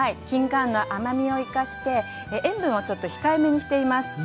きんかんの甘みを生かして塩分をちょっと控えめにしています。